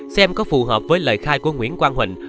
xem có phù hợp với lời khai của nguyễn quang huỳnh